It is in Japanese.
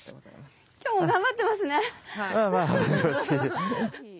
今日も頑張ってますね。